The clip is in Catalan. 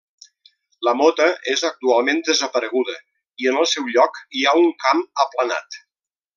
La Mota és actualment desapareguda, i en el seu lloc hi ha un camp aplanat.